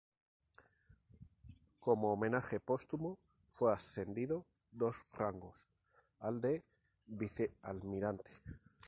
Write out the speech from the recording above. Como homenaje póstumo fue ascendido dos rangos, al de vicealmirante.